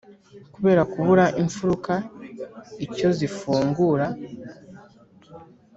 kubera kubura imfuruka icyo zifungura